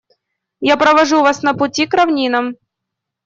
Я провожу вас на пути к равнинам.